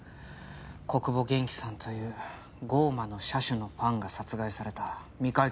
小久保元気さんという『降魔の射手』のファンが殺害された未解決の事件が。